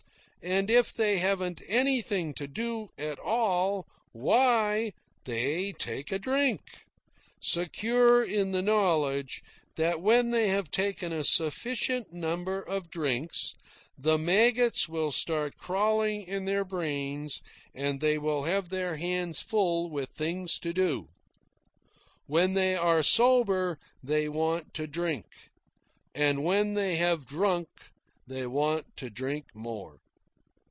And if they haven't anything to do at all, why, they take a drink, secure in the knowledge that when they have taken a sufficient number of drinks the maggots will start crawling in their brains and they will have their hands full with things to do. When they are sober they want to drink; and when they have drunk they want to drink more.